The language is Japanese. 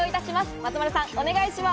松丸さん、お願いします。